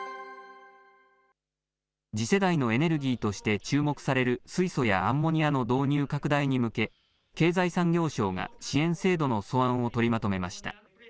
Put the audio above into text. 次世代のエネルギーとして注目される水素やアンモニアの導入拡大に向け、経済産業省が支援制度の素案を取りまとめました。